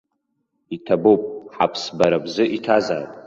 Иҭабуп, ҳаԥс бара бзы иҭазаап.